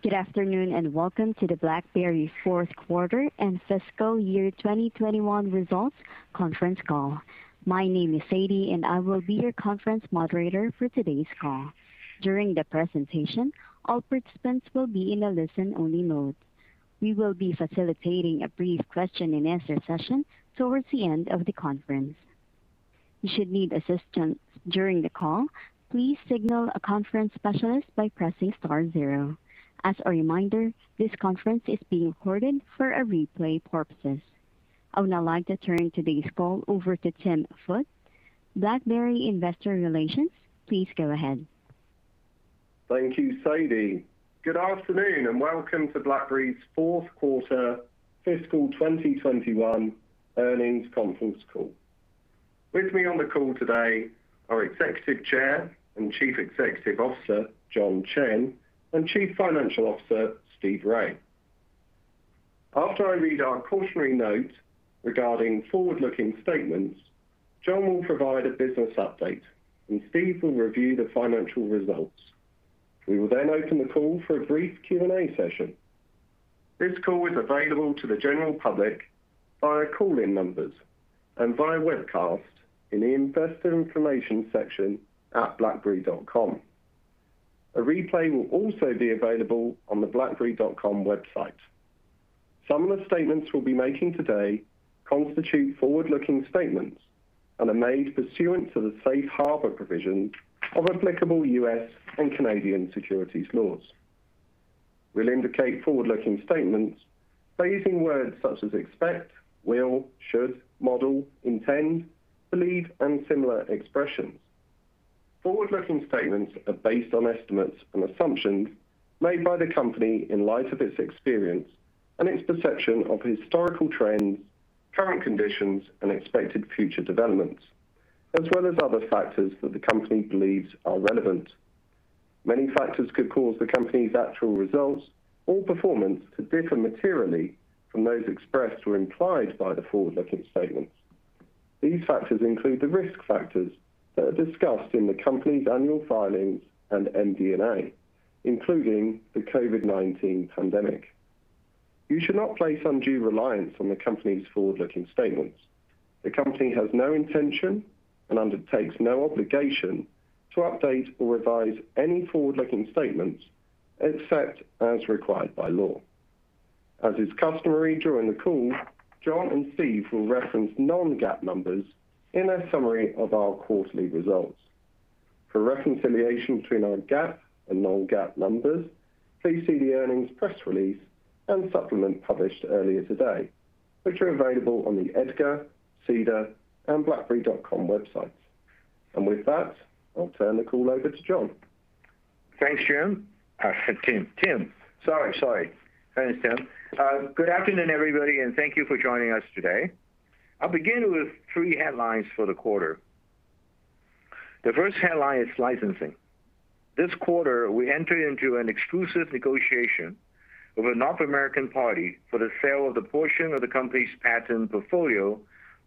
Good afternoon. Welcome to the BlackBerry fourth quarter and fiscal year 2021 results conference call. My name is Sadie. I will be your conference moderator for today's call. During the presentation, all participants will be in a listen-only mode. We will be facilitating a brief question and answer session towards the end of the conference. You should need assistance during the call, please signal a conference specialist by pressing star zero. As a reminder, this conference is being recorded for a replay purposes. I would now like to turn today's call over to Tim Foote, BlackBerry investor relations. Please go ahead. Thank you, Sadie. Good afternoon, and welcome to BlackBerry's fourth quarter fiscal 2021 earnings conference call. With me on the call today are Executive Chair and Chief Executive Officer, John Chen, and Chief Financial Officer, Steve Rai. After I read our cautionary note regarding forward-looking statements, John will provide a business update, and Steve will review the financial results. We will open the call for a brief Q&A session. This call is available to the general public via call-in numbers and via webcast in the investor information section at blackberry.com. A replay will also be available on the blackberry.com website. Some of the statements we'll be making today constitute forward-looking statements and are made pursuant to the safe harbor provisions of applicable U.S. and Canadian securities laws. We'll indicate forward-looking statements by using words such as expect, will, should, model, intend, believe, and similar expressions. Forward-looking statements are based on estimates and assumptions made by the company in light of its experience and its perception of historical trends, current conditions, and expected future developments, as well as other factors that the company believes are relevant. Many factors could cause the company's actual results or performance to differ materially from those expressed or implied by the forward-looking statements. These factors include the risk factors that are discussed in the company's annual filings and MD&A, including the COVID-19 pandemic. You should not place undue reliance on the company's forward-looking statements. The company has no intention and undertakes no obligation to update or revise any forward-looking statements except as required by law. As is customary during the call, John and Steve will reference non-GAAP numbers in their summary of our quarterly results. For reconciliation between our GAAP and non-GAAP numbers, please see the earnings press release and supplement published earlier today, which are available on the EDGAR, SEDAR, and blackberry.com websites. With that, I'll turn the call over to John. Thanks, Jim. Tim. Sorry, thanks, Tim. Good afternoon, everybody. Thank you for joining us today. I will begin with three headlines for the quarter. The first headline is licensing. This quarter, we entered into an exclusive negotiation with a North American party for the sale of the portion of the company's patent portfolio,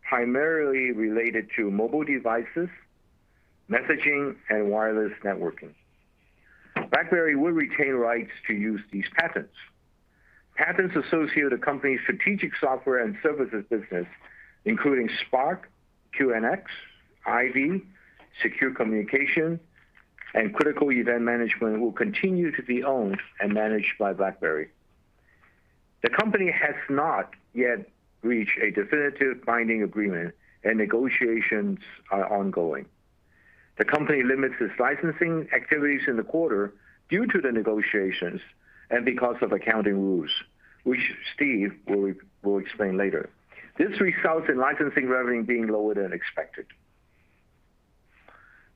primarily related to mobile devices, messaging, and wireless networking. BlackBerry will retain rights to use these patents. Patents associated with the company's strategic software and services business, including Spark, QNX, IVY, secure communication, and critical event management, will continue to be owned and managed by BlackBerry. The company has not yet reached a definitive binding agreement, and negotiations are ongoing. The company limits its licensing activities in the quarter due to the negotiations and because of accounting rules, which Steve will explain later. This results in licensing revenue being lower than expected.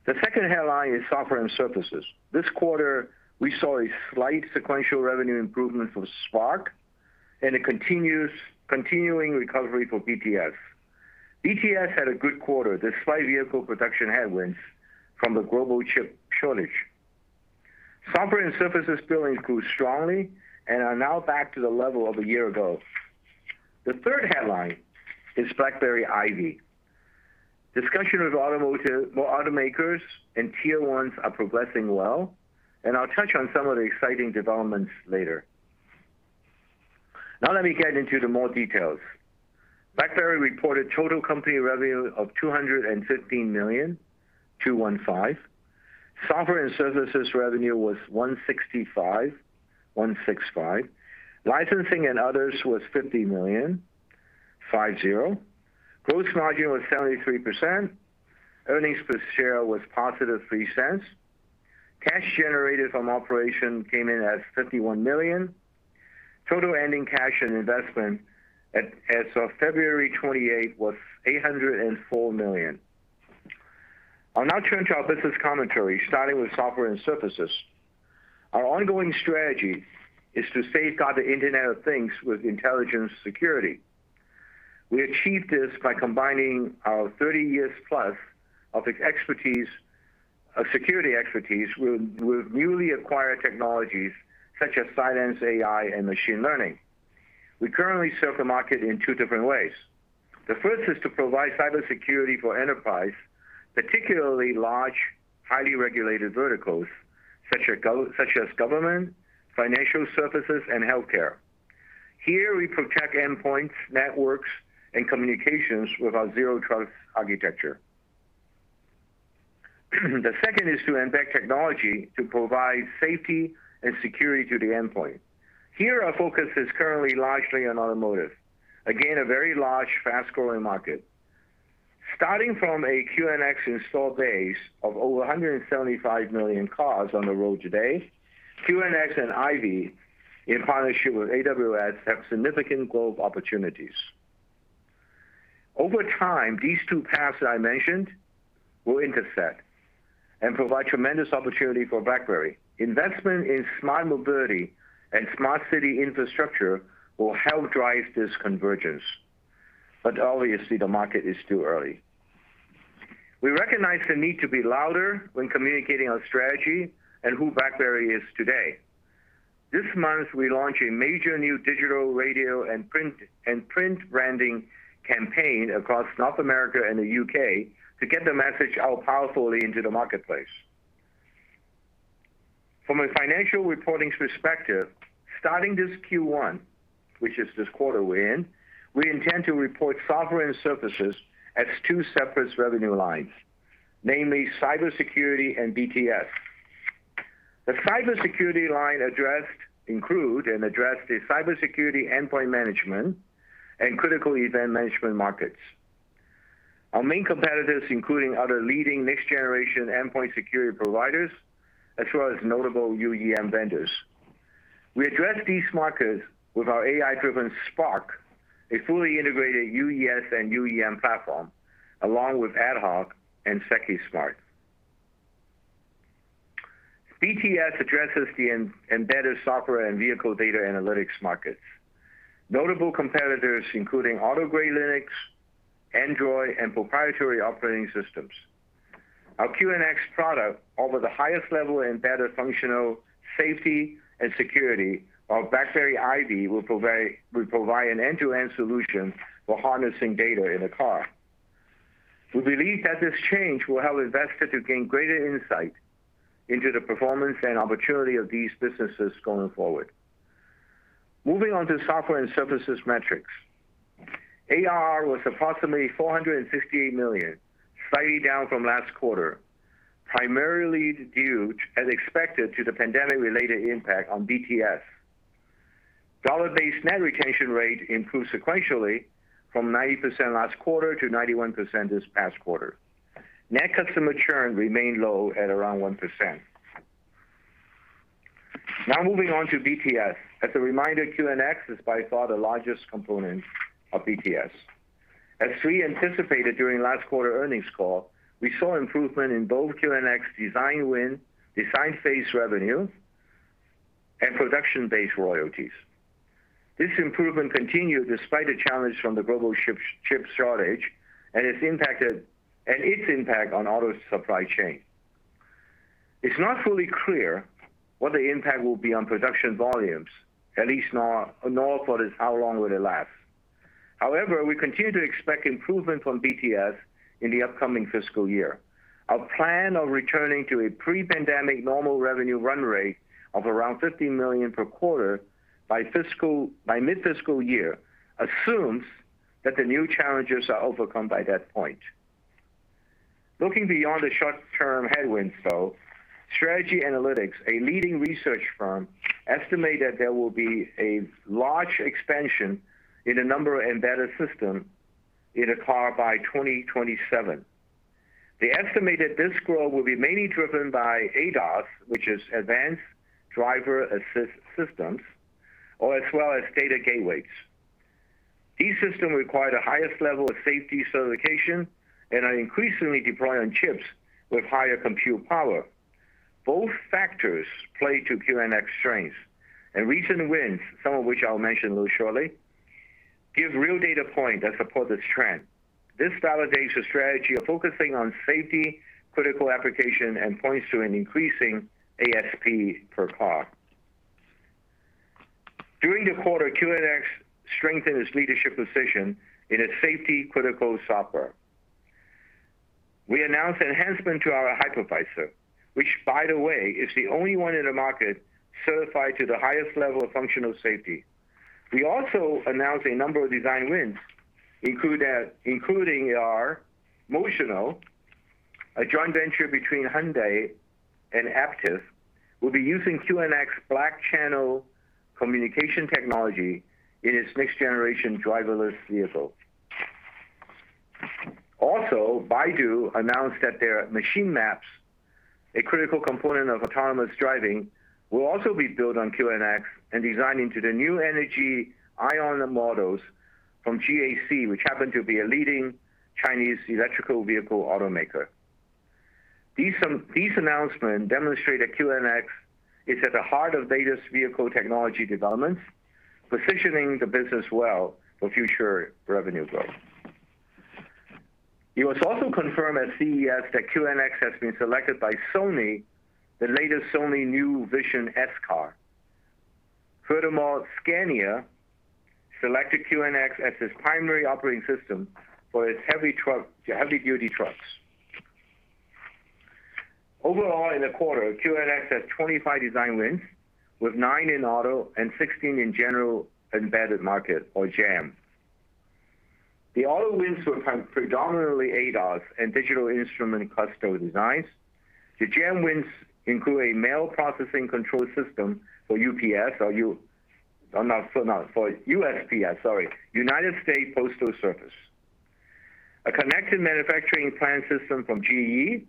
The second headline is software and services. This quarter, we saw a slight sequential revenue improvement for Spark and a continuing recovery for BTS. BTS had a good quarter, despite vehicle production headwinds from the global chip shortage. Software and services billings grew strongly and are now back to the level of a year ago. The third headline is BlackBerry IVY. Discussion with automakers and Tier 1s are progressing well. I'll touch on some of the exciting developments later. Let me get into the more details. BlackBerry reported total company revenue of $215 million, two one five. Software and services revenue was $165 million, one six five. Licensing and others was $50 million, five zero. Gross margin was 73%. Earnings per share was positive $0.03. Cash generated from operation came in as $51 million. Total ending cash and investment as of February 28 was $804 million. I'll now turn to our business commentary, starting with software and services. Our ongoing strategy is to safeguard the Internet of Things with intelligent security. We achieve this by combining our 30-plus years of security expertise with newly acquired technologies such as Cylance AI and machine learning. We currently serve the market in two different ways. The first is to provide cybersecurity for enterprise, particularly large, highly regulated verticals such as government, financial services, and healthcare. Here we protect endpoints, networks, and communications with our zero trust architecture. The second is to embed technology to provide safety and security to the endpoint. Here our focus is currently largely on automotive. Again, a very large, fast-growing market. Starting from a QNX install base of over 175 million cars on the road today, QNX and IVY, in partnership with AWS, have significant growth opportunities. Over time, these two paths that I mentioned will intersect and provide tremendous opportunity for BlackBerry. Investment in smart mobility and smart city infrastructure will help drive this convergence. Obviously, the market is too early. We recognize the need to be louder when communicating our strategy and who BlackBerry is today. This month, we launch a major new digital radio and print branding campaign across North America and the U.K. to get the message out powerfully into the marketplace. From a financial reporting perspective, starting this Q1, which is this quarter we're in, we intend to report software and services as two separate revenue lines, namely cybersecurity and BTS. The cybersecurity line include and address the cybersecurity endpoint management and critical event management markets. Our main competitors including other leading next-generation endpoint security providers, as well as notable UEM vendors. We address these markets with our AI-driven Spark, a fully integrated UES and UEM platform, along with AtHoc and Secusmart. BTS addresses the embedded software and vehicle data analytics markets. Notable competitors including Automotive Grade Linux, Android, and proprietary operating systems. Our QNX product offer the highest level embedded functional safety and security, while BlackBerry IVY will provide an end-to-end solution for harnessing data in a car. We believe that this change will help investors to gain greater insight into the performance and opportunity of these businesses going forward. Moving on to software and services metrics. ARR was approximately $468 million, slightly down from last quarter, primarily due, as expected, to the pandemic-related impact on BTS. Dollar-based net retention rate improved sequentially from 90% last quarter to 91% this past quarter. Net customer churn remained low at around 1%. Moving on to BTS. As a reminder, QNX is by far the largest component of BTS. As we anticipated during last quarter earnings call, we saw improvement in both QNX design phase revenue and production-based royalties. This improvement continued despite a challenge from the global chip shortage and its impact on auto supply chain. It's not fully clear what the impact will be on production volumes, at least nor for how long will it last. However, we continue to expect improvement from BTS in the upcoming fiscal year. Our plan of returning to a pre-pandemic normal revenue run rate of around $50 million per quarter by mid-fiscal year assumes that the new challenges are overcome by that point. Looking beyond the short-term headwinds, though, Strategy Analytics, a leading research firm, estimated there will be a large expansion in the number of embedded system in a car by 2027. They estimated this growth will be mainly driven by ADAS, which is advanced driver assist systems, or as well as data gateways. These systems require the highest level of safety certification and are increasingly deployed on chips with higher compute power. Recent wins, some of which I'll mention shortly, give real data points that support this trend. This validates the strategy of focusing on safety-critical applications and points to an increasing ASP per car. During the quarter, QNX strengthened its leadership position in its safety-critical software. We announced an enhancement to our hypervisor, which by the way, is the only one in the market certified to the highest level of functional safety. We also announced a number of design wins, including our Motional, a joint venture between Hyundai and Aptiv, will be using QNX Black Channel Communications Technology in its next generation driverless vehicle. Also, Baidu announced that their machine maps, a critical component of autonomous driving, will also be built on QNX and designed into the new energy AION models from GAC, which happen to be a leading Chinese electrical vehicle automaker. These announcement demonstrate that QNX is at the heart of latest vehicle technology developments, positioning the business well for future revenue growth. It was also confirmed at CES that QNX has been selected by Sony, the latest Sony new Vision-S car. Furthermore, Scania selected QNX as its primary operating system for its heavy-duty trucks. Overall, in the quarter, QNX had 25 design wins with nine in auto and 16 in general embedded market or GEM. The auto wins were predominantly ADAS and digital instrument cluster designs. The GEM wins include a mail processing control system for USPS, sorry. United States Postal Service. A connected manufacturing plant system from GE,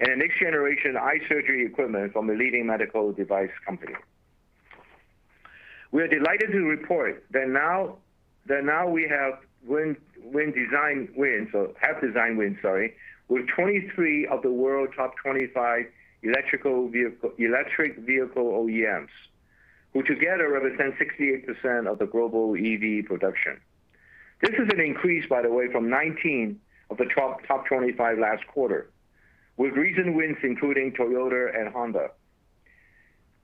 a next-generation eye surgery equipment from a leading medical device company. We are delighted to report that now we have design wins with 23 of the world's top 25 electric vehicle OEMs, who together represent 68% of the global EV production. This is an increase, by the way, from 19 of the top 25 last quarter, with recent wins including Toyota and Honda.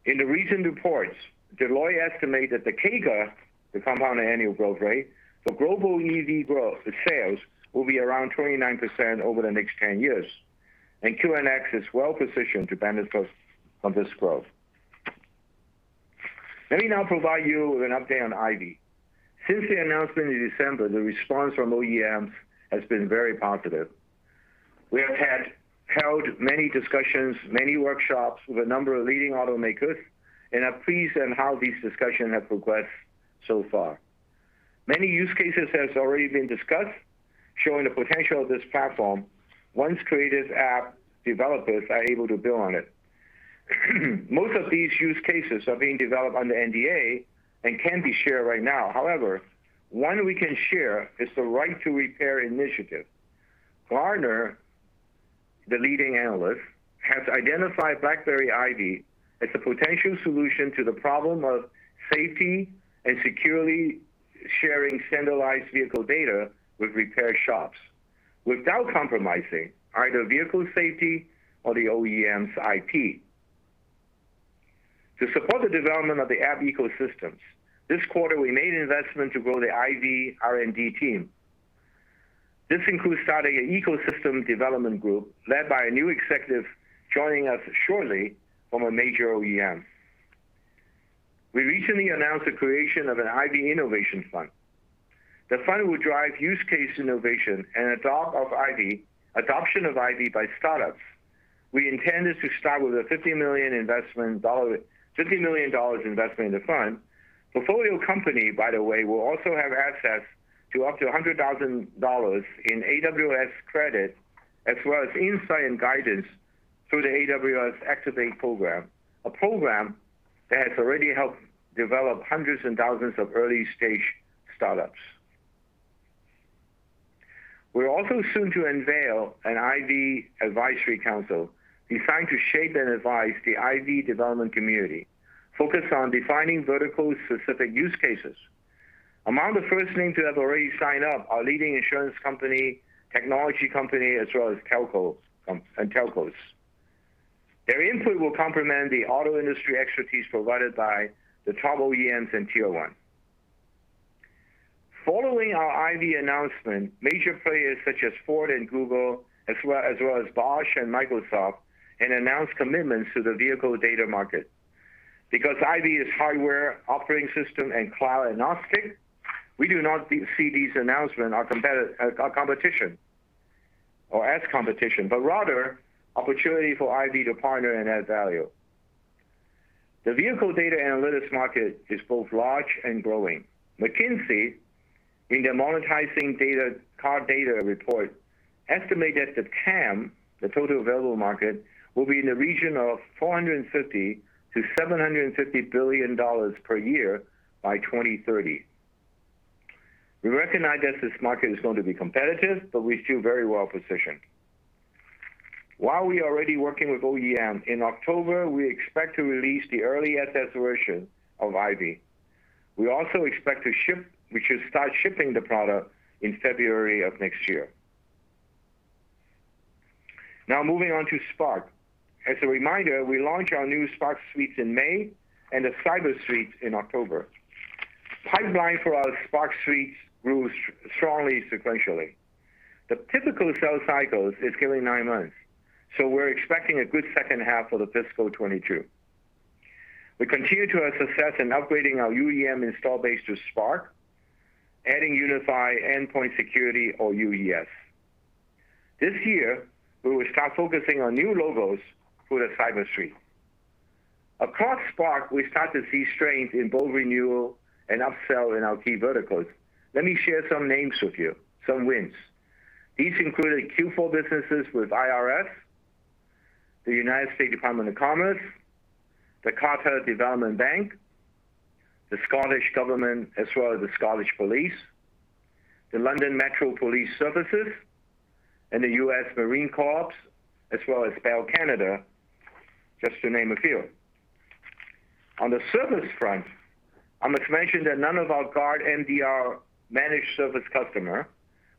In the recent reports, Deloitte estimated the CAGR, the compound annual growth rate, for global EV growth, the sales will be around 29% over the next 10 years. QNX is well-positioned to benefit from this growth. Let me now provide you with an update on IVY. Since the announcement in December, the response from OEMs has been very positive. We have held many discussions, many workshops with a number of leading automakers and are pleased on how these discussions have progressed so far. Many use cases have already been discussed showing the potential of this platform once creative app developers are able to build on it. Most of these use cases are being developed under NDA and can't be shared right now. However, one we can share is the Right to Repair initiative. Gartner, the leading analyst, has identified BlackBerry IVY as a potential solution to the problem of safety and securely sharing standardized vehicle data with repair shops without compromising either vehicle safety or the OEM's IP. To support the development of the app ecosystems, this quarter, we made an investment to grow the IVY R&D team. This includes starting an ecosystem development group led by a new executive joining us shortly from a major OEM. We recently announced the creation of an IVY innovation fund. The fund will drive use case innovation and adoption of IVY by startups. We intended to start with a $50 million investment in the fund. Portfolio company, by the way, will also have access to up to $100,000 in AWS credit, as well as insight and guidance through the AWS Activate program, a program that has already helped develop hundreds and thousands of early-stage startups. We're also soon to unveil an IVY advisory council designed to shape and advise the IVY development community, focused on defining vertical-specific use cases. Among the first names to have already signed up are leading insurance company, technology company, as well as telcos. Their input will complement the auto industry expertise provided by the top OEMs and Tier 1. Following our IVY announcement, major players such as Ford and Google, as well as Bosch and Microsoft, announced commitments to the vehicle data market. Because IVY is hardware, operating system, and cloud agnostic, we do not see these announcements as competition, but rather opportunity for IVY to partner and add value. The vehicle data analytics market is both large and growing. McKinsey, in their Monetizing Car Data report, estimate that the TAM, the total available market, will be in the region of $450 billion-$750 billion per year by 2030. We recognize that this market is going to be competitive, we're still very well-positioned. While we are already working with OEM, in October, we expect to release the early access version of IVY. We should start shipping the product in February of next year. Moving on to Spark. As a reminder, we launched our new Spark Suites in May and the Cyber Suites in October. Pipeline for our Spark Suites grew strongly sequentially. The typical sales cycle is nearly nine months, we're expecting a good second half for the fiscal 2022. We continue to have success in upgrading our UEM install base to Spark, adding Unified Endpoint Security or UES. This year, we will start focusing on new logos for the Cyber Suites. Across Spark, we start to see strength in both renewal and upsell in our key verticals. Let me share some names with you, some wins. These included Q4 businesses with IRS, the United States Department of Commerce, the Qatar Development Bank, the Scottish Government, as well as Police Scotland, the Metropolitan Police Service, and the U.S. Marine Corps, as well as Bell Canada, just to name a few. On the service front, I must mention that none of our Guard MDR managed service customers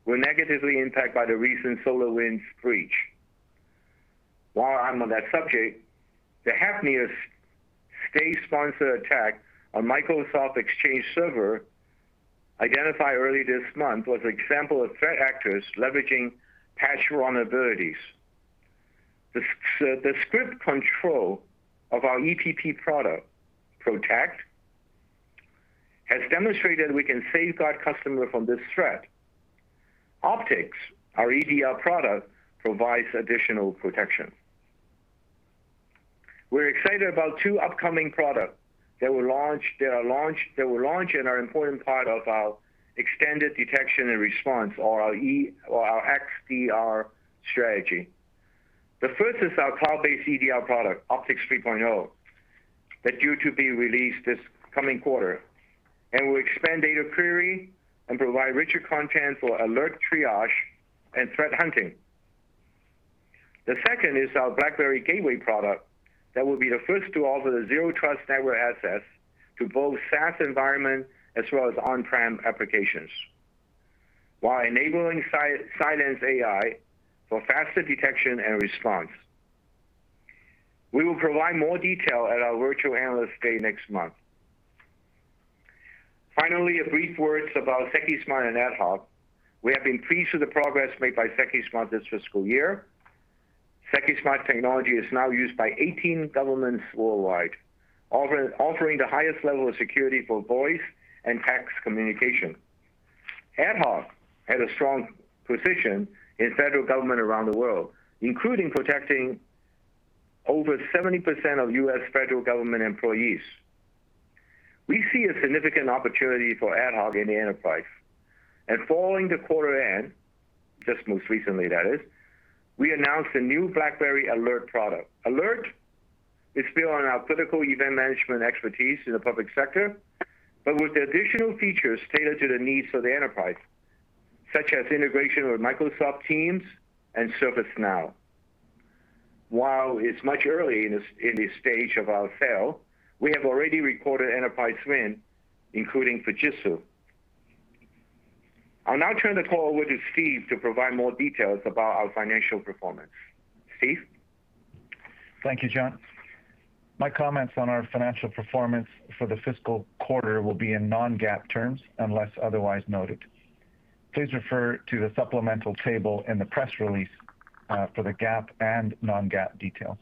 were negatively impacted by the recent SolarWinds breach. While I'm on that subject, the Hafnium state-sponsored attack on Microsoft Exchange Server identified early this month was an example of threat actors leveraging patch vulnerabilities. The script control of our EPP product, Protect, has demonstrated we can safeguard customer from this threat. Optics, our EDR product, provides additional protection. We're excited about two upcoming products that will launch and are an important part of our extended detection and response, or our XDR strategy. The first is our cloud-based EDR product, Optics 3.0, that's due to be released this coming quarter, and will expand data query and provide richer content for alert triage and threat hunting. The second is our CylanceGATEWAY product that will be the first to offer the Zero Trust Network Access to both SaaS environment as well as on-prem applications, while enabling Cylance AI for faster detection and response. We will provide more detail at our virtual Analyst Day next month. Finally, a brief word about Secusmart and AtHoc. We have been pleased with the progress made by Secusmart this fiscal year. Secusmart technology is now used by 18 governments worldwide, offering the highest level of security for voice and text communication. AtHoc has a strong position in federal government around the world, including protecting over 70% of U.S. federal government employees. We see a significant opportunity for AtHoc in the enterprise, and following the quarter end, just most recently that is, we announced a new BlackBerry Alert product. Alert is built on our critical event management expertise in the public sector, but with additional features tailored to the needs of the enterprise, such as integration with Microsoft Teams and ServiceNow. While it's much early in the stage of our sale, we have already recorded enterprise wins, including Fujitsu. I'll now turn the call over to Steve to provide more details about our financial performance. Steve? Thank you, John. My comments on our financial performance for the fiscal quarter will be in non-GAAP terms unless otherwise noted. Please refer to the supplemental table in the press release for the GAAP and non-GAAP details.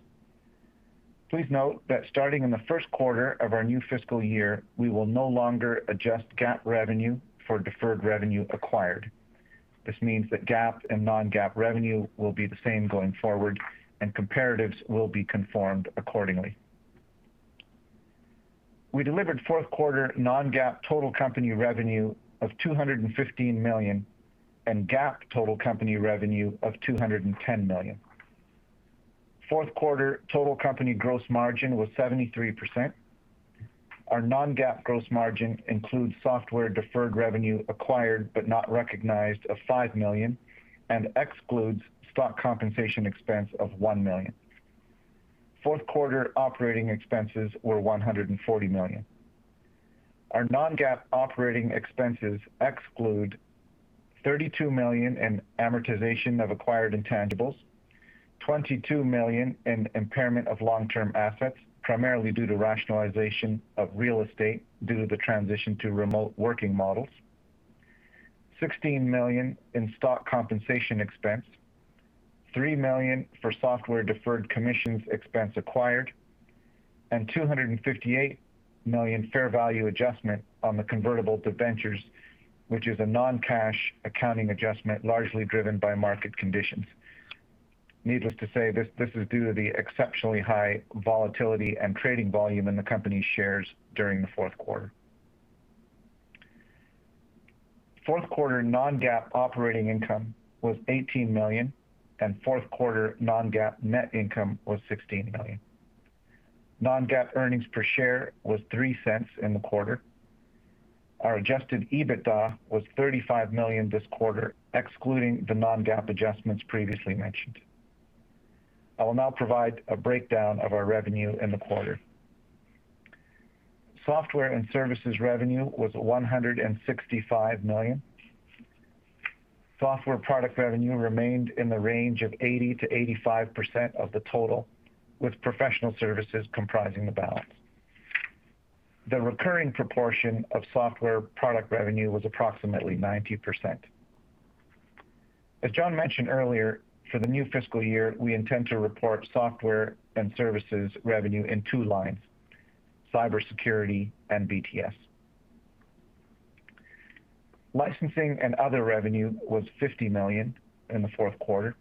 Please note that starting in the first quarter of our new fiscal year, we will no longer adjust GAAP revenue for deferred revenue acquired. This means that GAAP and non-GAAP revenue will be the same going forward, and comparatives will be conformed accordingly. We delivered fourth quarter non-GAAP total company revenue of $215 million and GAAP total company revenue of $210 million. Fourth quarter total company gross margin was 73%. Our non-GAAP gross margin includes software deferred revenue acquired but not recognized of $5 million and excludes stock compensation expense of $1 million. Fourth quarter operating expenses were $140 million. Our non-GAAP operating expenses exclude $32 million in amortization of acquired intangibles, $22 million in impairment of long-term assets, primarily due to rationalization of real estate due to the transition to remote working models, $16 million in stock compensation expense, $3 million for software deferred commissions expense acquired, and $258 million fair value adjustment on the convertible debentures, which is a non-cash accounting adjustment largely driven by market conditions. Needless to say, this is due to the exceptionally high volatility and trading volume in the company's shares during the fourth quarter. Fourth quarter non-GAAP operating income was $18 million, and fourth quarter non-GAAP net income was $16 million. Non-GAAP earnings per share was $0.03 in the quarter. Our adjusted EBITDA was $35 million this quarter, excluding the non-GAAP adjustments previously mentioned. I will now provide a breakdown of our revenue in the quarter. Software and services revenue was $165 million. Software product revenue remained in the range of 80%-85% of the total, with professional services comprising the balance. The recurring proportion of software product revenue was approximately 90%. As John mentioned earlier, for the new fiscal year, we intend to report software and services revenue in two lines, cybersecurity and BTS. Licensing and other revenue was $50 million in the fourth quarter.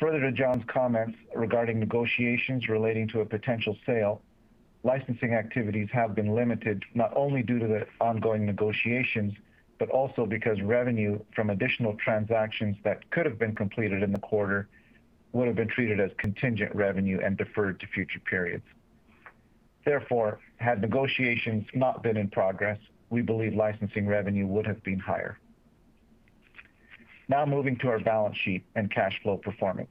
Further to John's comments regarding negotiations relating to a potential sale, licensing activities have been limited, not only due to the ongoing negotiations, but also because revenue from additional transactions that could have been completed in the quarter would have been treated as contingent revenue and deferred to future periods. Had negotiations not been in progress, we believe licensing revenue would have been higher. Moving to our balance sheet and cash flow performance.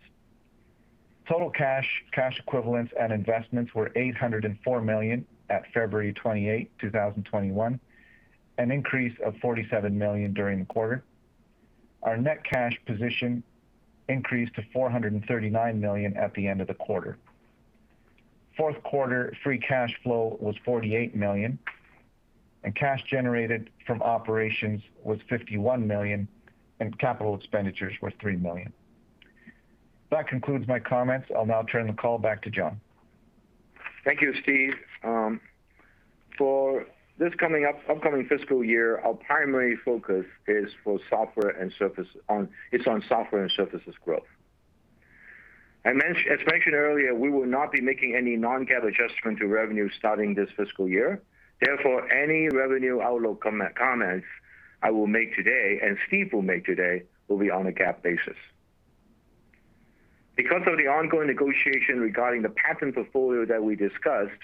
Total cash equivalents, and investments were $804 million at February 28, 2021, an increase of $47 million during the quarter. Our net cash position increased to $439 million at the end of the quarter. Fourth quarter free cash flow was $48 million, and cash generated from operations was $51 million, and capital expenditures were $3 million. That concludes my comments. I'll now turn the call back to John. Thank you, Steve. For this upcoming fiscal year, our primary focus is on software and services growth. As mentioned earlier, we will not be making any non-GAAP adjustment to revenue starting this fiscal year, therefore, any revenue outlook comments I will make today, and Steve will make today, will be on a GAAP basis. Because of the ongoing negotiation regarding the patent portfolio that we discussed,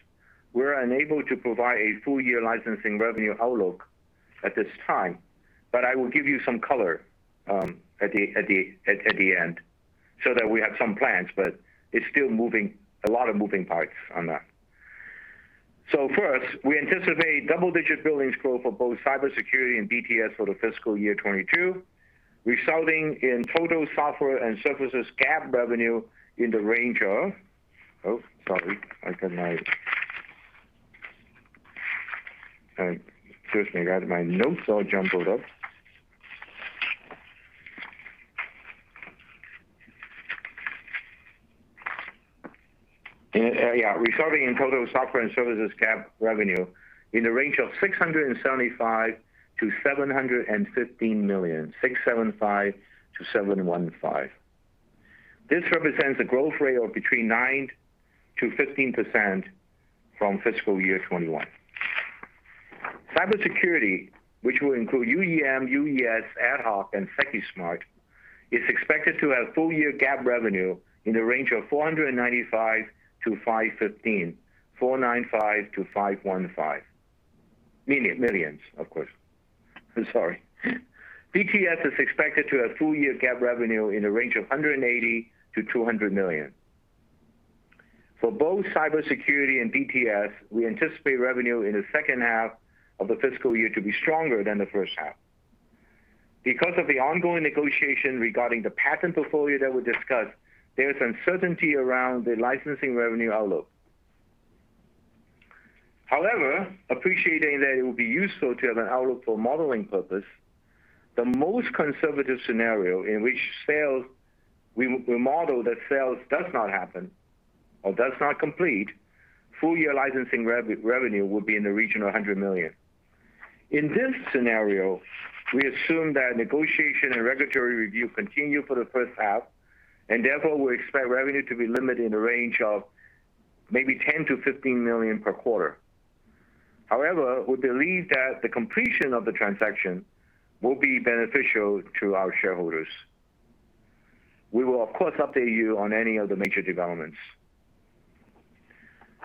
we are unable to provide a full-year licensing revenue outlook at this time. I will give you some color at the end so that we have some plans, but it is still a lot of moving parts on that. First, we anticipate double-digit billings growth for both cybersecurity and BTS for the fiscal year 2022, resulting in total software and services GAAP revenue in the range of Oh, sorry. Excuse me. I got my notes all jumbled up. Yeah. Resulting in total software and services GAAP revenue in the range of $675 million-$715 million, 675 to 715. This represents a growth rate of between 9%-15% from fiscal year 2021. Cybersecurity, which will include UEM, UES, AtHoc, and Secusmart, is expected to have full-year GAAP revenue in the range of $495 million-$515 million, 495 to 515. Millions, of course. I'm sorry. BTS is expected to have full-year GAAP revenue in the range of $180 million-$200 million. For both cybersecurity and BTS, we anticipate revenue in the second half of the fiscal year to be stronger than the first half. Because of the ongoing negotiation regarding the patent portfolio that we discussed, there is uncertainty around the licensing revenue outlook. Appreciating that it would be useful to have an outlook for modeling purpose, the most conservative scenario in which we model that sales does not happen or does not complete, full-year licensing revenue will be in the region of $100 million. In this scenario, we assume that negotiation and regulatory review continue for the first half, therefore we expect revenue to be limited in the range of maybe $10 million-$15 million per quarter. We believe that the completion of the transaction will be beneficial to our shareholders. We will, of course, update you on any of the major developments.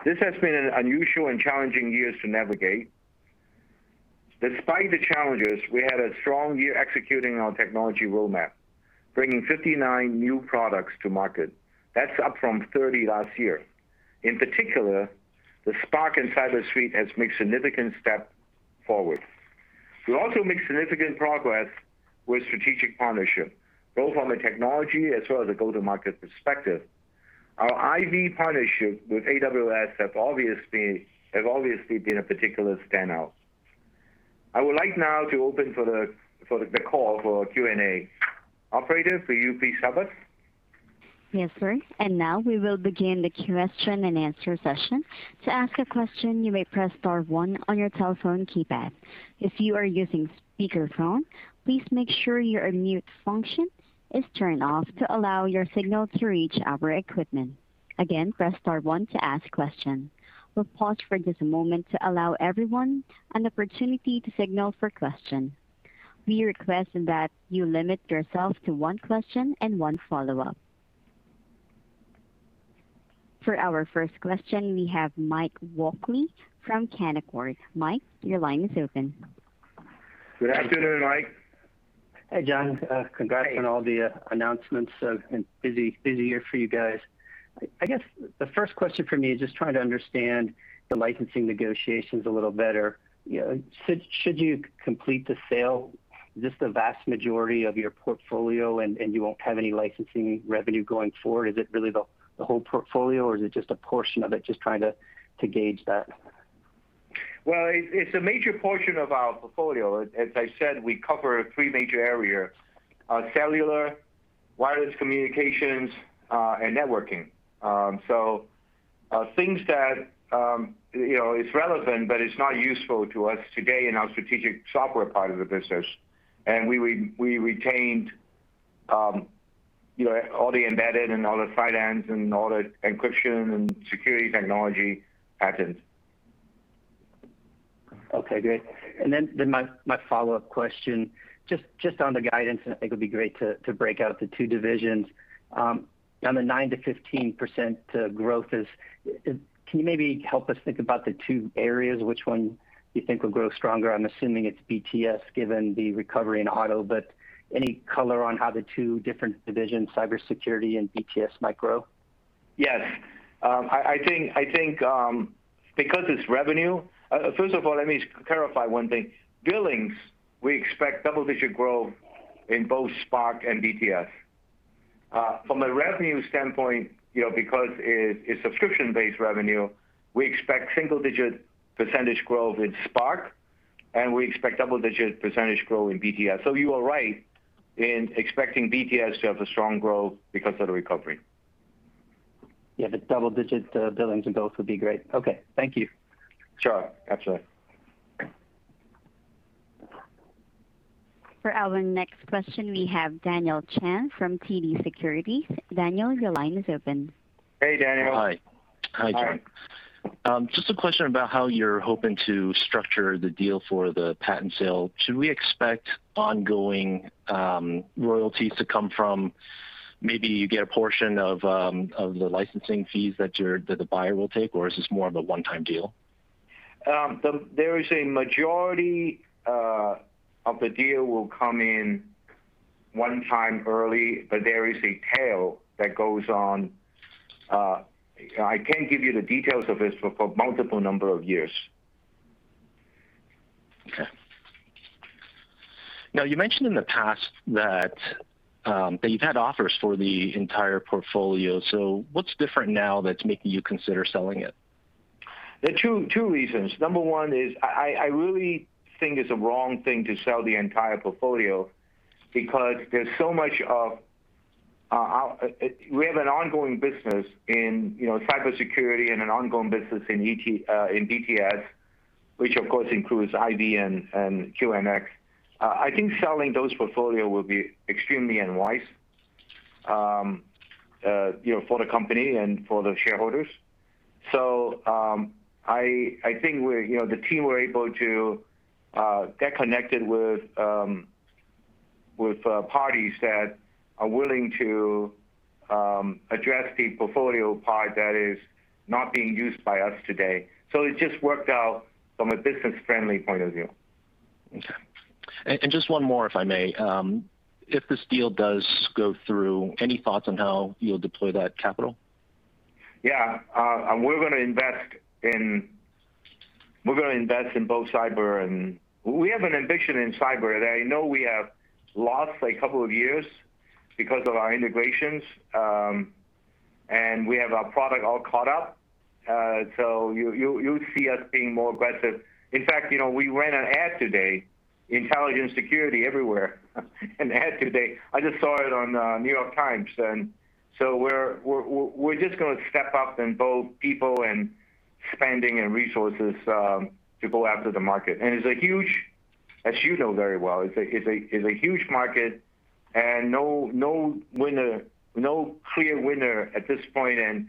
This has been an unusual and challenging year to navigate. Despite the challenges, we had a strong year executing our technology roadmap, bringing 59 new products to market. That's up from 30 last year. In particular, the Spark and CyberSuite has made significant step forward. We also made significant progress with strategic partnership, both on the technology as well as the go-to-market perspective. Our IVY partnership with AWS have obviously been a particular standout. I would like now to open the call for Q&A. Operator, could you please have us? Yes, sir. Now we will begin the question and answer session. To ask a question, you may press star one on your telephone keypad. If you are using speakerphone, please make sure your mute function is turned off to allow your signal to reach our equipment. Again, press star one to ask question. We will pause for just a moment to allow everyone an opportunity to signal for question. We request that you limit yourself to one question and one follow-up. For our first question, we have Mike Walkley from Canaccord. Mike, your line is open. Good afternoon, Mike. Hey, John. Hey. Congrats on all the announcements, and busy year for you guys. I guess the first question from me is just trying to understand the licensing negotiations a little better. Should you complete the sale, is this the vast majority of your portfolio and you won't have any licensing revenue going forward? Is it really the whole portfolio, or is it just a portion of it? Just trying to gauge that. Well, it's a major portion of our portfolio. As I said, we cover three major areas, cellular, wireless communications, and networking. Things that is relevant but is not useful to us today in our strategic software part of the business, and we retained all the embedded and all the finance and all the encryption and security technology patents. Okay, great. My follow-up question, just on the guidance, I think it'd be great to break out the two divisions. On the 9%-15% growth, can you maybe help us think about the two areas, which one you think will grow stronger? I'm assuming it's BTS, given the recovery in auto, but any color on how the two different divisions, cybersecurity and BTS, might grow? Yes. First of all, let me clarify one thing. Billings, we expect double-digit growth in both Spark and BTS. From a revenue standpoint, because it's subscription-based revenue, we expect single-digit percentage growth in Spark, and we expect double-digit percentage growth in BTS. You are right in expecting BTS to have a strong growth because of the recovery. Yeah. Double-digit billings in both would be great. Okay. Thank you. Sure. Absolutely. For our next question, we have Daniel Chan from TD Securities. Daniel, your line is open. Hey, Daniel. Hi, John. Hi. Just a question about how you're hoping to structure the deal for the patent sale. Should we expect ongoing royalties to come from, maybe you get a portion of the licensing fees that the buyer will take, or is this more of a one-time deal? There is a majority of the deal will come in one time early, but there is a tail that goes on. I can't give you the details of this, but for multiple number of years. Okay. You mentioned in the past that you've had offers for the entire portfolio. What's different now that's making you consider selling it? There are two reasons. Number one is, I really think it's a wrong thing to sell the entire portfolio, because we have an ongoing business in cybersecurity and an ongoing business in BTS, which of course includes IVY and QNX. I think selling those portfolio will be extremely unwise for the company and for the shareholders. I think the team were able to get connected with parties that are willing to address the portfolio part that is not being used by us today. It just worked out from a business-friendly point of view. Okay. Just one more, if I may. If this deal does go through, any thoughts on how you'll deploy that capital? Yeah. We're going to invest in both cyber. We have an ambition in cyber. I know we have lost a couple of years because of our integrations. We have our product all caught up. You'll see us being more aggressive. In fact, we ran an ad today, intelligent security everywhere, an ad today. I just saw it on The New York Times. We're just going to step up in both people and spending and resources to go after the market. As you know very well, it's a huge market, and no clear winner at this point, and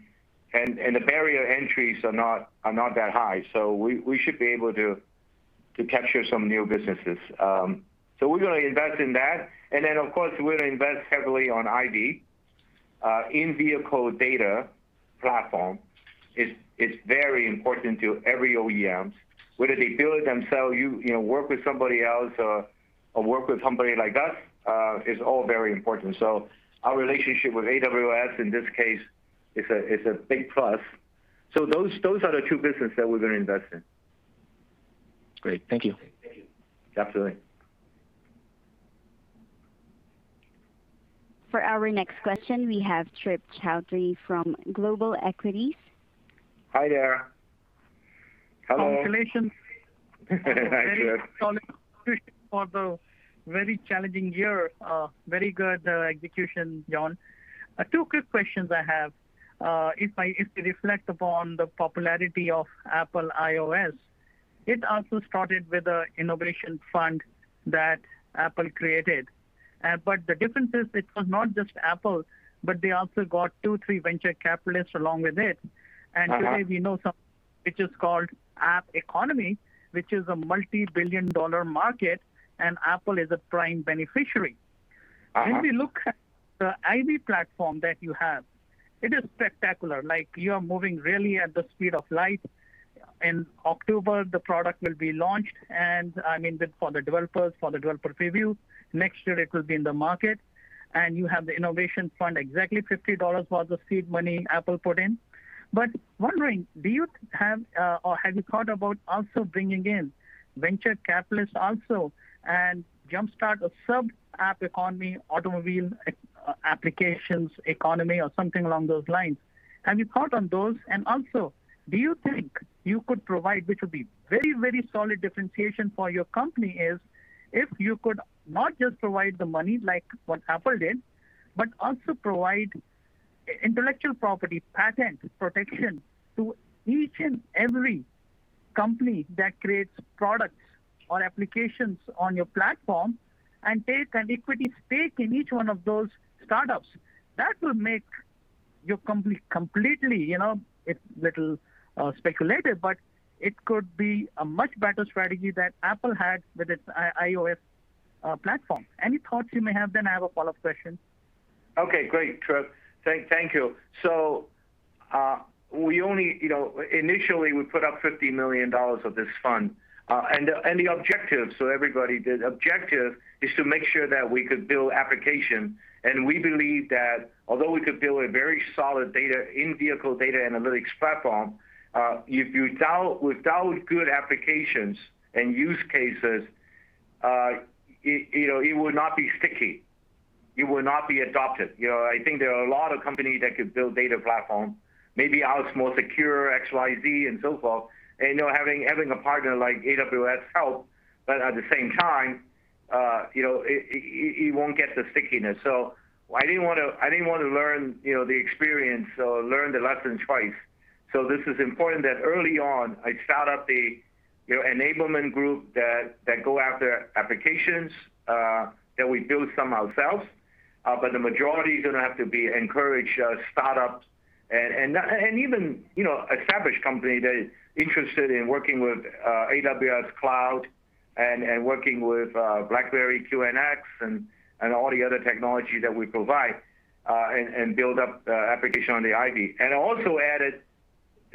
the barrier entries are not that high. We should be able to capture some new businesses. We're going to invest in that. Of course, we'll invest heavily on IVY. In-vehicle data platform, it's very important to every OEMs. Whether they build themselves, work with somebody else or work with somebody like us, is all very important. Our relationship with AWS in this case is a big plus. Those are the two businesses that we're going to invest in. Great. Thank you. Thank you. Absolutely. For our next question, we have Trip Chowdhry from Global Equities. Hi there. Hello. Congratulations. Hi, Trip. Very solid for the very challenging year. Very good execution, John. Two quick questions I have. If you reflect upon the popularity of Apple iOS, it also started with a innovation fund that Apple created. The difference is it was not just Apple, but they also got two, three venture capitalists along with it. Today we know something, which is called App Economy, which is a multi-billion dollar market, and Apple is a prime beneficiary. If you look at the IVY platform that you have, it is spectacular. You are moving really at the speed of light. In October, the product will be launched, I mean for the developers, for the developer preview. Next year, it will be in the market. You have the innovation fund, exactly $50 was the seed money Apple put in. Wondering, have you thought about also bringing in venture capitalists also, and jumpstart a sub-App Economy, automobile applications economy, or something along those lines? Have you thought on those? Do you think you could provide, which would be very solid differentiation for your company is, if you could not just provide the money like what Apple did, but also provide intellectual property patent protection to each and every company that creates products or applications on your platform, and take an equity stake in each one of those startups. That will make your company completely, it's little speculative, but it could be a much better strategy that Apple had with its iOS platform. Any thoughts you may have? I have a follow-up question. Okay, great, Trip. Thank you. Initially, we put up $50 million of this fund. The objective, so everybody, the objective is to make sure that we could build application. We believe that although we could build a very solid data, in-vehicle data analytics platform, without good applications and use cases, it would not be sticky. It would not be adopted. I think there are a lot of companies that could build data platform, maybe ours more secure, XYZ and so forth, and having a partner like AWS help. At the same time, it won't get the stickiness. I didn't want to learn the experience or learn the lesson twice. This is important that early on, I start up the enablement group that go after applications, that we build some ourselves. The majority is going to have to be encourage startups and even established company that is interested in working with AWS Cloud and working with BlackBerry QNX and all the other technology that we provide, and build up the application on the IVY. Also added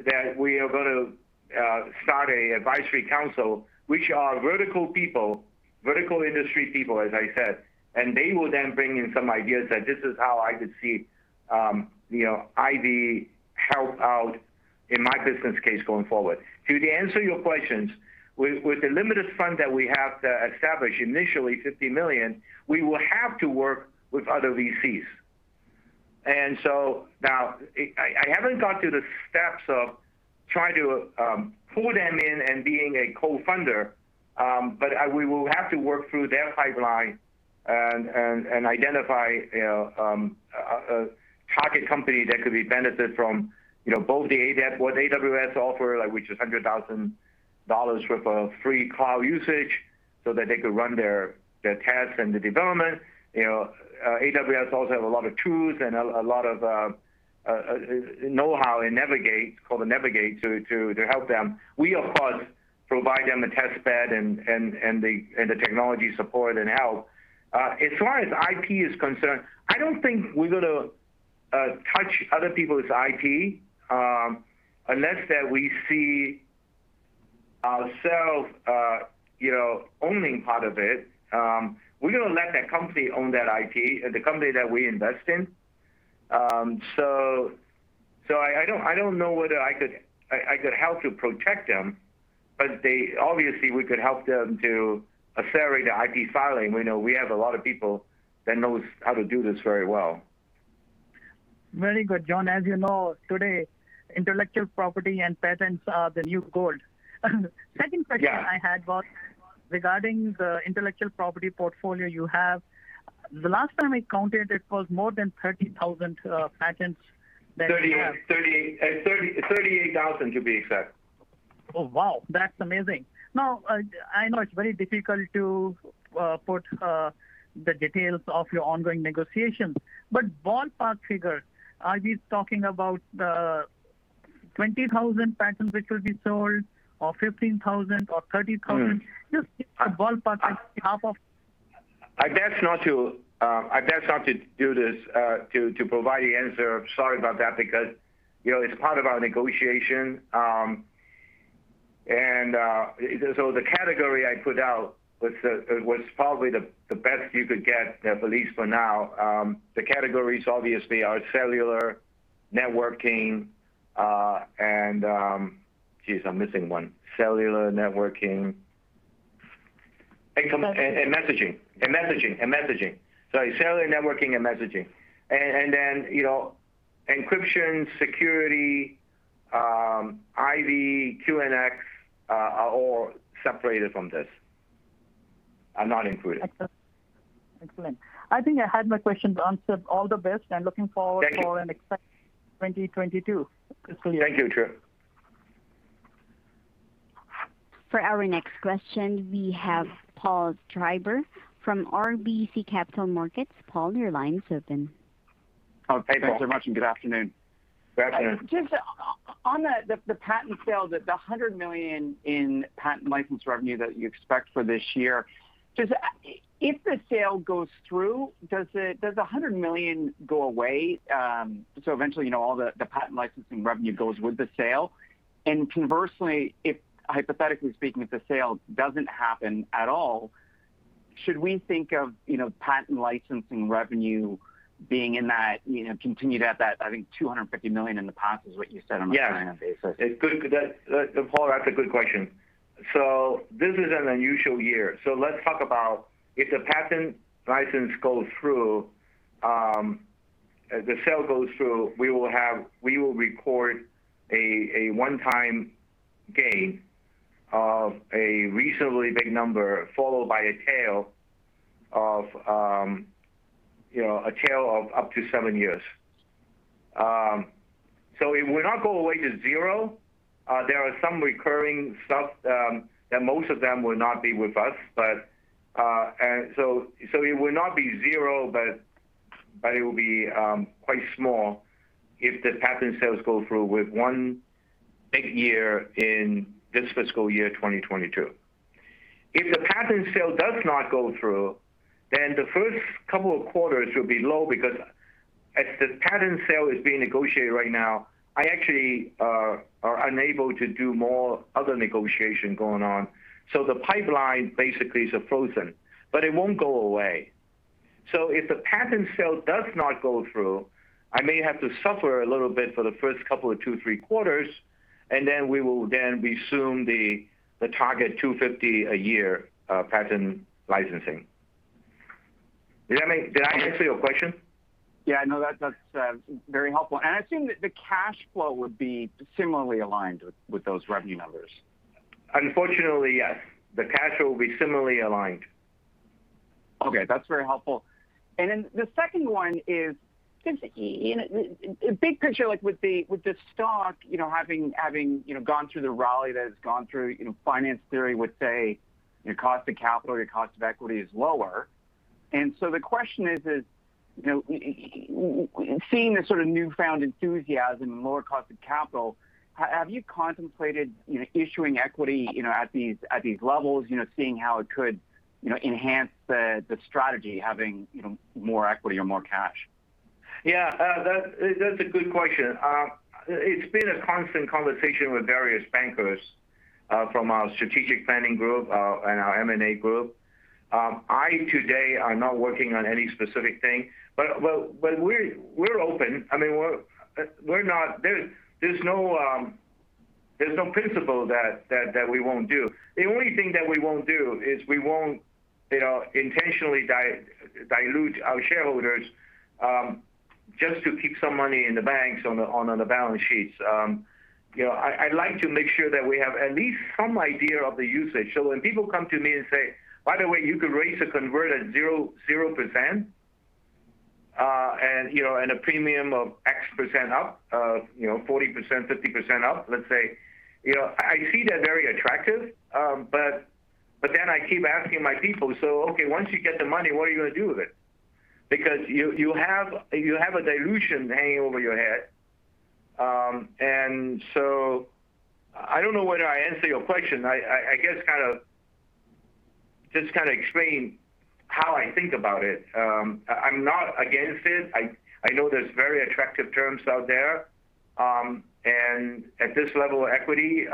that we are going to start a advisory council, which are vertical industry people, as I said, and they will then bring in some ideas that this is how I could see IVY help out in my business case going forward. To answer your questions, with the limited fund that we have to establish initially, $50 million, we will have to work with other VCs. Now, I haven't gone through the steps of trying to pull them in and being a co-funder. We will have to work through their pipeline and identify a target company that could be benefit from both what AWS offer, which is $100,000 worth of free cloud usage so that they could run their tests and the development. AWS also have a lot of tools and a lot of knowhow in Navigate, called the Navigate, to help them. We, of course, provide them a test bed and the technology support and help. As far as IP is concerned, I don't think we're going to touch other people's IP, unless that we see ourself owning part of it. We're going to let that company own that IP, the company that we invest in. I don't know whether I could help to protect them, but obviously, we could help them to accelerate the IP filing. We know we have a lot of people that knows how to do this very well. Very good, John. As you know, today, intellectual property and patents are the new gold. Second question. Yeah I had was regarding the intellectual property portfolio you have. The last time I counted, it was more than 30,000 patents that you have. 38,000, to be exact. Oh, wow. That's amazing. I know it's very difficult to put the details of your ongoing negotiations, but ballpark figure, are we talking about the 20,000 patents which will be sold, or 15,000 or 30,000? Just give a ballpark. I dare not to do this, to provide the answer. I'm sorry about that, because it's part of our negotiation. The category I put out was probably the best you could get, at least for now. The categories obviously are Cellular, Networking, and jeez, I'm missing one. Messaging Messaging. Sorry, Cellular, nNworking, and Messaging. Encryption, security, IVY, QNX, are all separated from this, are not included. Excellent. I think I had my questions answered. All the best. Thank you For an exciting 2022. Thank you, Trip. For our next question, we have Paul Treiber from RBC Capital Markets. Paul, your line is open. Oh, hey. Thanks very much. Good afternoon. Good afternoon. Just on the patent sale, the $100 million in patent license revenue that you expect for this year, if the sale goes through, does $100 million go away, eventually all the patent licensing revenue goes with the sale? Conversely, hypothetically speaking, if the sale doesn't happen at all, should we think of patent licensing revenue being in that, continue to have that, I think $250 million in the pot is what you said. Yeah annual basis. Paul, that's a good question. This is an unusual year. Let's talk about if the patent license goes through, the sale goes through, we will record a one-time gain of a reasonably big number, followed by a tail of up to seven years. It will not go away to zero. There are some recurring stuff that most of them will not be with us. It will not be zero, but it will be quite small if the patent sales go through with one big year in this fiscal year 2022. If the patent sale does not go through, the first couple of quarters will be low because as the patent sale is being negotiated right now, I actually are unable to do more other negotiation going on. The pipeline basically is frozen, but it won't go away. If the patent sale does not go through, I may have to suffer a little bit for the first couple of two, three quarters, we will then resume the target $250 a year, patent licensing. Did I answer your question? Yeah, no, that's very helpful. I assume that the cash flow would be similarly aligned with those revenue numbers. Unfortunately, yes. The cash flow will be similarly aligned. Okay, that's very helpful. The second one is, big picture, like with the stock, having gone through the rally that it's gone through, finance theory would say your cost of capital or your cost of equity is lower. The question is, seeing this sort of newfound enthusiasm and lower cost of capital, have you contemplated issuing equity at these levels, seeing how it could enhance the strategy, having more equity or more cash? That's a good question. It's been a constant conversation with various bankers, from our strategic planning group, and our M&A group. I today am not working on any specific thing, but we're open. There's no principle that we won't do. The only thing that we won't do is we won't intentionally dilute our shareholders, just to keep some money in the banks on the balance sheets. I like to make sure that we have at least some idea of the usage. When people come to me and say, "By the way, you could raise a convert at 0%," and a premium of X% up of 40%, 50% up, let's say. I see that very attractive, I keep asking my people, "So, okay, once you get the money, what are you going to do with it?" You have a dilution hanging over your head. I don't know whether I answered your question. I guess just kind of explained how I think about it. I'm not against it. I know there's very attractive terms out there, and at this level of equity.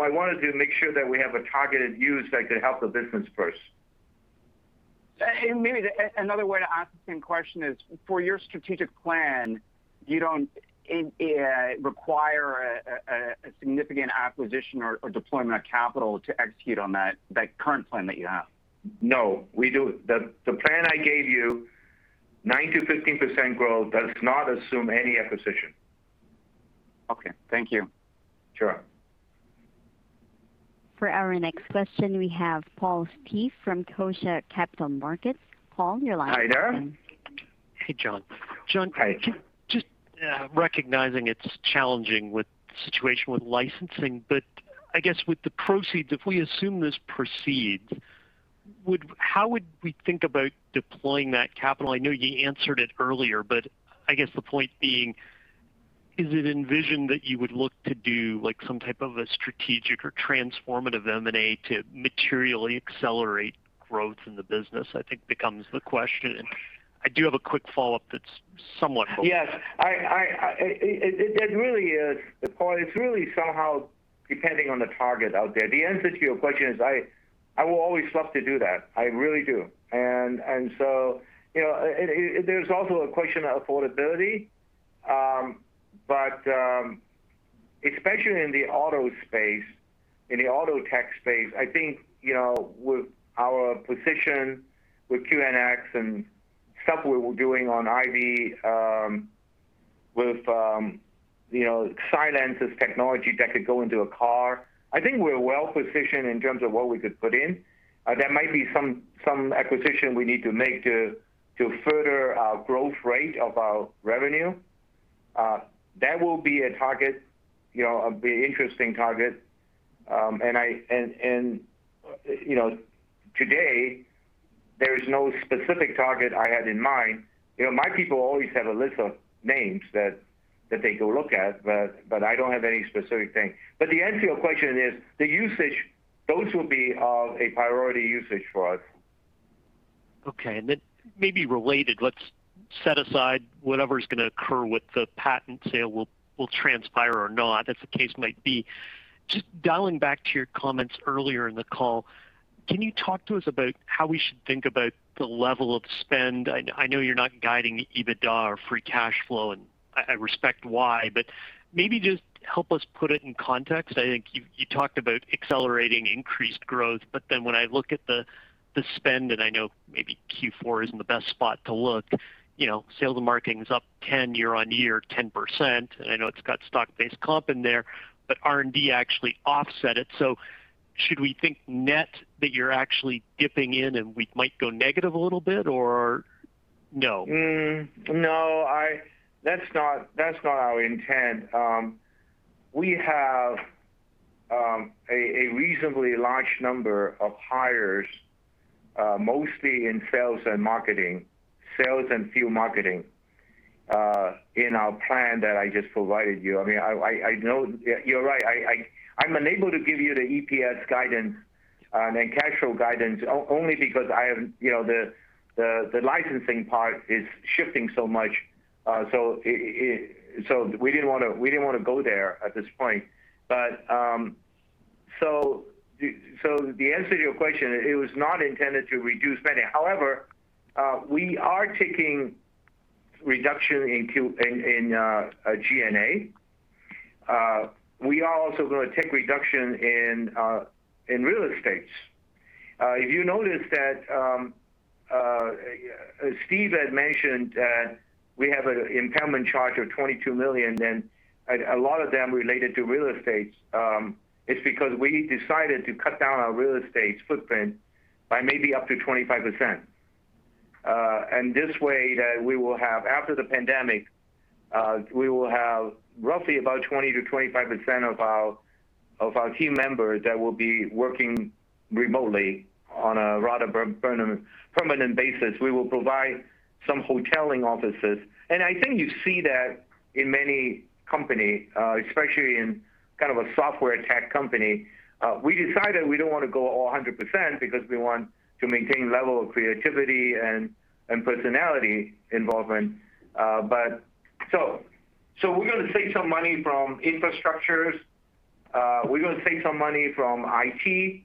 I wanted to make sure that we have a targeted use that could help the business first. Maybe another way to ask the same question is, for your strategic plan, you don't require a significant acquisition or deployment of capital to execute on that current plan that you have? No. The plan I gave you, 9%-15% growth, does not assume any acquisition. Okay. Thank you. Sure. For our next question, we have Paul Steep from Scotia Capital Markets. Paul, you're live. Hi there. Hey, John. Hi. John, just recognizing it's challenging with the situation with licensing, I guess with the proceeds, if we assume this proceeds, how would we think about deploying that capital? I know you answered it earlier, I guess the point being, is it envisioned that you would look to do some type of a strategic or transformative M&A to materially accelerate growth in the business, I think becomes the question. I do have a quick follow-up that's somewhat related. It really is, Paul. It's really somehow depending on the target out there. The answer to your question is, I will always love to do that, I really do. There's also a question of affordability. Especially in the auto tech space, I think, with our position with QNX and stuff we're doing on IVY, with Cylance's technology that could go into a car, I think we're well-positioned in terms of what we could put in. There might be some acquisition we need to make to further our growth rate of our revenue. That will be an interesting target. Today, there is no specific target I had in mind. My people always have a list of names that they go look at, but I don't have any specific thing. The answer to your question is, the usage, those will be of a priority usage for us. Okay. Maybe related, let's set aside whatever's going to occur with the patent sale will transpire or not, as the case might be. Just dialing back to your comments earlier in the call, can you talk to us about how we should think about the level of spend? I know you're not guiding EBITDA or free cash flow, and I respect why, but maybe just help us put it in context. I think you talked about accelerating increased growth, but then when I look at the spend, and I know maybe Q4 isn't the best spot to look. Sales and marketing's up 10 year-on-year, 10%, and I know it's got stock-based comp in there, but R&D actually offset it. Should we think net that you're actually dipping in and we might go negative a little bit, or no? No. That's not our intent. We have a reasonably large number of hires, mostly in sales and field marketing in our plan that I just provided you. You're right. I'm unable to give you the EPS guidance and then cash flow guidance, only because the licensing part is shifting so much. We didn't want to go there at this point. The answer to your question, it was not intended to reduce spending. However, we are taking reduction in G&A. We are also going to take reduction in real estate. If you notice that, as Steve had mentioned, that we have an impairment charge of $22 million, and a lot of them related to real estate. It's because we decided to cut down our real estate footprint by maybe up to 25%. This way, after the pandemic, we will have roughly about 20%-25% of our team members that will be working remotely on a rather permanent basis. We will provide some hoteling offices. I think you see that in many company, especially in a software tech company. We decided we don't want to go all 100% because we want to maintain level of creativity and personality involvement. We're going to save some money from infrastructures. We're going to save some money from IT,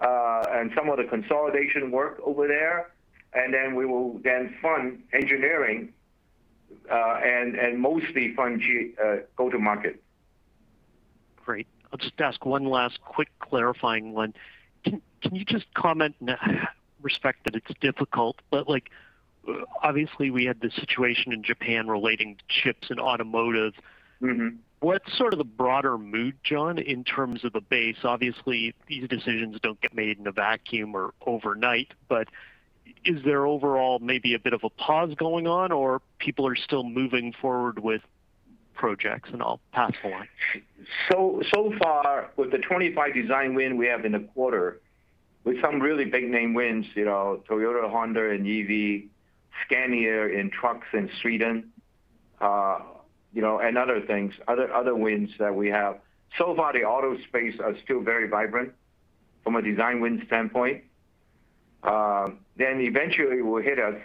and some of the consolidation work over there. Then we will then fund engineering, and mostly fund go-to-market. Great. I'll just ask one last quick clarifying one. Can you just comment, and I respect that it's difficult, but obviously we had this situation in Japan relating to chips and automotive. What's sort of the broader mood, John, in terms of a base? Obviously, these decisions don't get made in a vacuum or overnight, but is there overall maybe a bit of a pause going on, or people are still moving forward with projects and all platforms? Far, with the 25 design win we have in the quarter, with some really big name wins, Toyota, Honda, and EV, Scania in trucks in Sweden, and other things, other wins that we have. Far, the auto space are still very vibrant from a design win standpoint. Eventually it will hit us.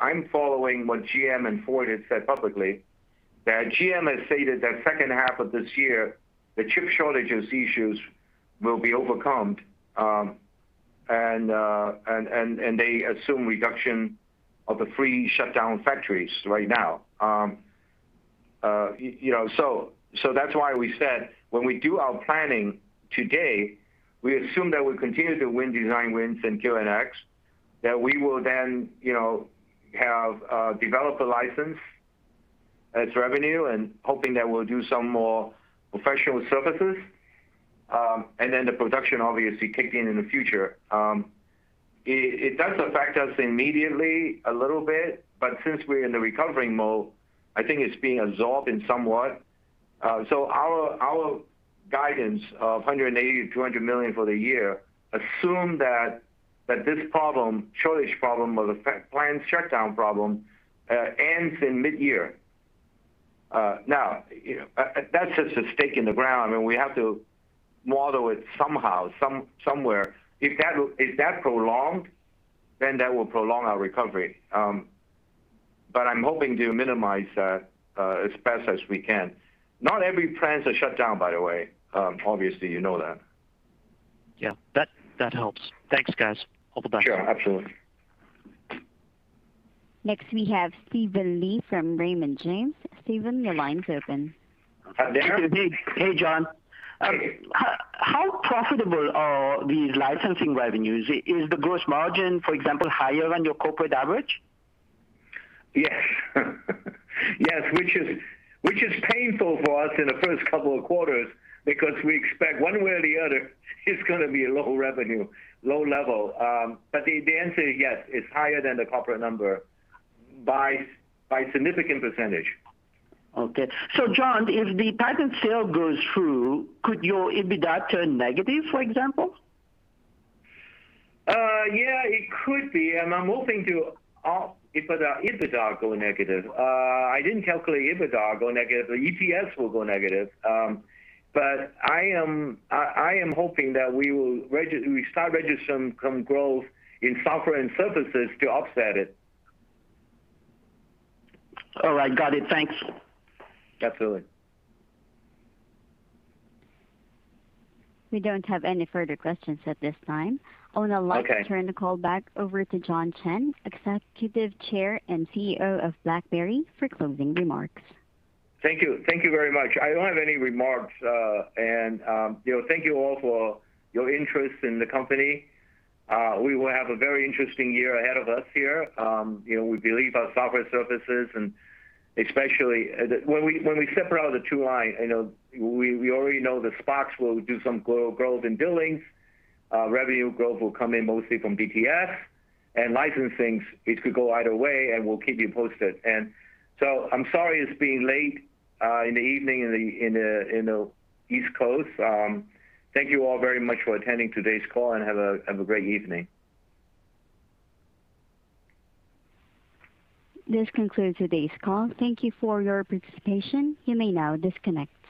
I'm following what GM and Ford had said publicly. GM has stated that second half of this year, the chip shortages issues will be overcome. They assume reduction of the three shut-down factories right now. That's why we said when we do our planning today, we assume that we'll continue to win design wins in QNX, that we will then have developer license as revenue and hoping that we'll do some more professional services. The production obviously kick in the future. It does affect us immediately a little bit, but since we're in the recovering mode, I think it's being absorbed in somewhat. Our guidance of $180 million-$200 million for the year assume that this shortage problem or the plant shutdown problem, ends in mid-year. Now, that's just a stake in the ground and we have to model it somehow, somewhere. If that prolonged, that will prolong our recovery. I'm hoping to minimize that, as best as we can. Not every plant are shut down, by the way. Obviously you know that. Yeah. That helps. Thanks, guys. Hope all the best. Sure. Absolutely. Next, we have Steven Li from Raymond James. Steven, your line's open. Hi, there. Hey, John. Hey. How profitable are these licensing revenues? Is the gross margin, for example, higher than your corporate average? Yes. Yes, which is painful for us in the first couple of quarters because we expect one way or the other, it's going to be a low revenue, low level. The answer, yes, it's higher than the corporate number by significant percentage. Okay. John, if the patent sale goes through, could your EBITDA turn negative, for example? Yeah, it could be, and I'm hoping to EBITDA go negative. I didn't calculate EBITDA go negative. The EPS will go negative. I am hoping that we start register some growth in software and services to offset it. All right. Got it. Thanks. Absolutely. We don't have any further questions at this time. Okay. I would now like to turn the call back over to John Chen, Executive Chair and CEO of BlackBerry, for closing remarks. Thank you very much. I don't have any remarks. Thank you all for your interest in the company. We will have a very interesting year ahead of us here. We believe our software services, especially when we separate out the two lines, we already know that BlackBerry Spark will do some growth in billings. Revenue growth will come in mostly from BTS. Licensing, it could go either way, and we'll keep you posted. I'm sorry it's being late in the evening in the East Coast. Thank you all very much for attending today's call, and have a great evening. This concludes today's call. Thank you for your participation. You may now disconnect.